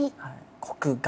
国外。